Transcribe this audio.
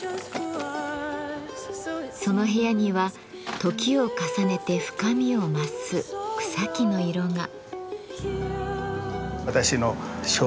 その部屋には時を重ねて深みを増す草木の色が。